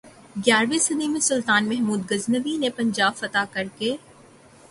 گیارہویں صدی میں سلطان محمود غزنوی نے پنجاب فتح کرک